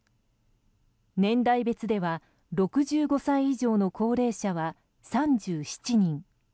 年代別では６５歳以上の高齢者は３７人。